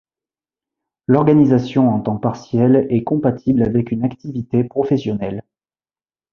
L’organisation en temps partiel est compatible avec une activité professionnelle.